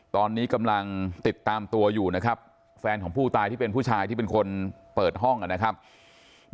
ตอนนี้กำลังติดตามตัวอยู่นะครับแฟนของผู้ตายที่เป็นผู้ชายที่เป็นคนเปิดห้องนะครับ